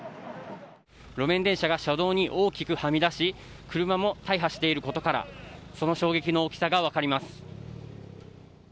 路面電車が車道に大きくはみ出し車も大破していることからその衝撃の大きさが分かります。